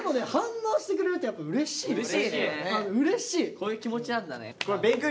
こういう気持ちなんだね。